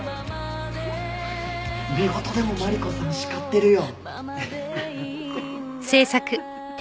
寝言でもマリコさん叱ってるよ。